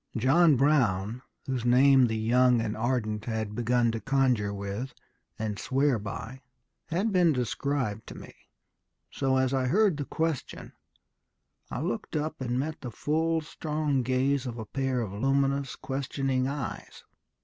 John Brown, whose name the young and ardent had begun to conjure with and swear by, had been described to me. So, as I heard the question, I looked up and met the full, strong gaze of a pair of luminous, questioning eyes.